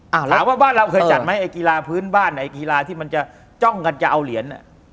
ถามว่าบ้านเราเคยจัดไหมไอ้กีฬาพื้นบ้านไหนกีฬาที่มันจะจ้องกันจะเอาเหรียญ